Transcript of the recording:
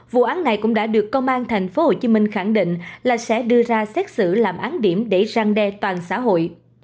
vụ án này cũng đã được công an tp hcm khẳng định là sẽ đưa ra xét xử làm án điểm để răng đe toàn xã hội